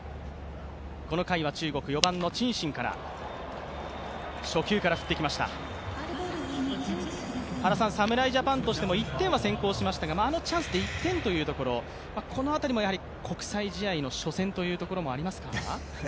この回は中国、４番のチン・シンから侍ジャパンとしても１点は先行しましたが、あのチャンスで１点というところ、この辺りも国際試合の初戦というところもありますか？